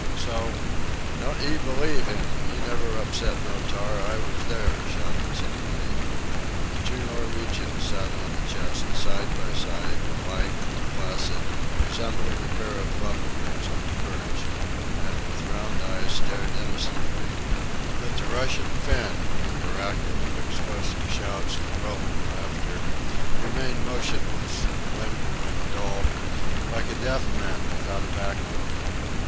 So..." "Don't 'ee believe him! He never upset no tar; I was there!" shouted somebody. The two Norwegians sat on a chest side by side, alike and placid, resembling a pair of love birds on a perch, and with round eyes stared innocently; but the Russian Finn, in the racket of explosive shouts and rolling laughter, remained motionless, limp and dull, like a deaf man without a backbone.